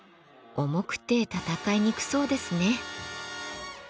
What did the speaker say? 重くて戦いにくそうですね。